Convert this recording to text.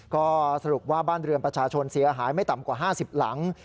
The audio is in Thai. ก็สรุปว่าบ้านเรือนประชาชนเสียหายไม่ต่ำกว่า๕๐หลัง